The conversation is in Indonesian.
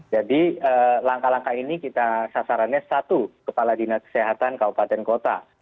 jadi langkah langkah ini kita sasarannya satu kepala dinas kesehatan kaupaten kota